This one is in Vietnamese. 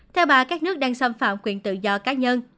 theo bà các nước đang xâm phạm quyền tự do cá nhân